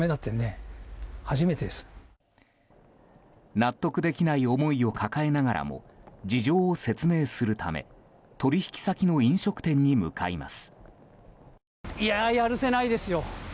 納得できない思いを抱えながらも事情を説明するため取引先の飲食店に向かいます。